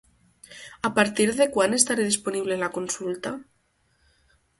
A partir de quan estarà disponible la consulta?